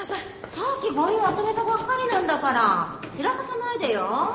さっきゴミまとめたばっかりなんだから散らかさないでよ